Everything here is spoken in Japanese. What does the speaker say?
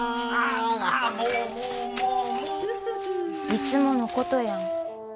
いつものことやん。